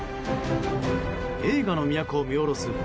映画の都を見下ろす